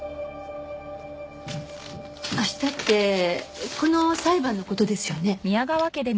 明日ってこの裁判の事ですよね？